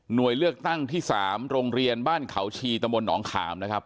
โดยเลือกตั้งที่๓โรงเรียนบ้านเขาชีตะมนตหนองขามนะครับ